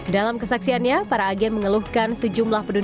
dalam kesaksiannya para agen mengeluhkan sejumlah penduduk